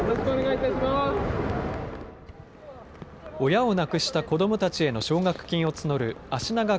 親を亡くした子どもたちへの奨学金を募るあしなが